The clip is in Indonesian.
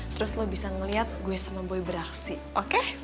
terus lo bisa ngeliat gue sama boy beraksi oke